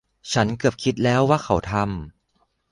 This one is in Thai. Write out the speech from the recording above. ฉันเกือบคิดแล้วว่าเขาทำ